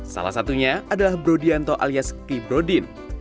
salah satunya adalah brodianto alias kibrodin